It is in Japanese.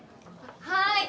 はい。